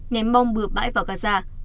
ném bom bừa bãi vào gaza